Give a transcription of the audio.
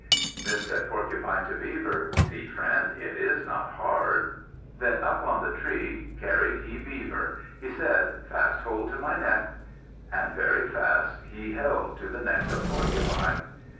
Then said Porcupine to Beaver, "See, friend! It is not hard." Then up on the tree carried he Beaver. He said, "Fast hold to my neck." And very fast he held to the neck of Porcupine.